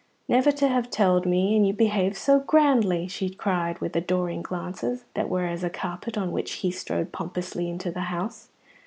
"Never to have telled me, and you behaved so grandly!" she cried, with adoring glances that were as a carpet on which he strode pompously into the house.